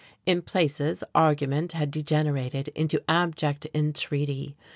In places argument had degenerated into abject entreaty.